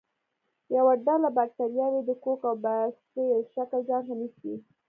یوه ډله باکتریاوې د کوک او باسیل شکل ځانته نیسي.